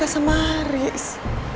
bukan sama haris